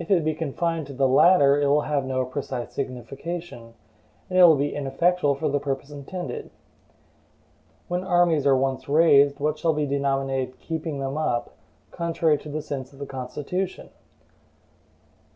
If it be confined to the latter it will have no precise signification, and it will be ineffectual for the purpose intended. When armies are once raised what shall be denominated "keeping them up," contrary to the sense of the Constitution?